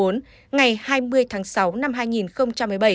ngày hai mươi tháng sáu năm hai nghìn một mươi bảy